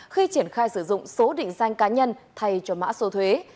khi triển khai sử dụng số định danh cá nhân thay cho mã số thuế